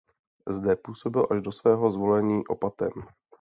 Zde působil až do svého zvolení opatem.